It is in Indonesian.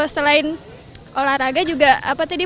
selain olahraga juga apa tadi